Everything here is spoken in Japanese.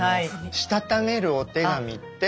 したためるお手紙って。